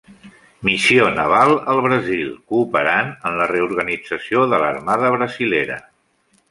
Missió Naval al Brasil, cooperant en la reorganització de l'Armada brasilera.